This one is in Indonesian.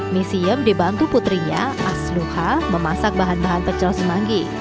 misiem dibantu putrinya asluha memasak bahan bahan pecel semanggi